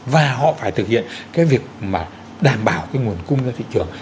và họ phải thực hiện cái việc mà đảm bảo cái nguồn cung ra thị trường